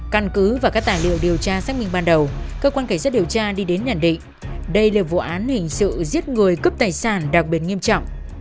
căn cứ và các tài liệu điều tra xác minh ban đầu cơ quan cảnh sát điều tra đi đến nhận định đây là vụ án hình sự giết người cướp tài sản đặc biệt nghiêm trọng